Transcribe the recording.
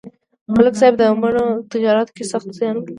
ملک صاحب د مڼو تجارت کې سخت زیان ولید.